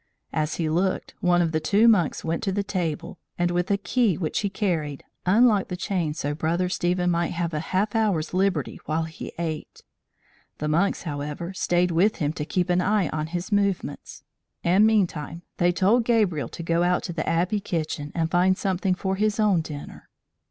As he looked, one of the two monks went to the table, and, with a key which he carried, unlocked the chain so Brother Stephen might have a half hour's liberty while he ate. The monks, however, stayed with him to keep an eye on his movements; and meantime they told Gabriel to go out to the Abbey kitchen and find something for his own dinner.